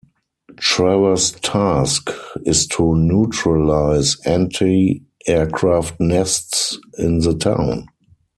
Travers' task is to neutralize anti-aircraft nests in the town.